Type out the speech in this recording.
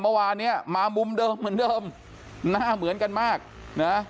เมื่อวานเนี้ยมามุมเดิมเหมือนเดิมหน้าเหมือนกันมากนะ